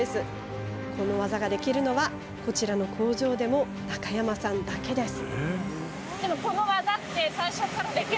この技ができるのは工場でも中山さんだけです。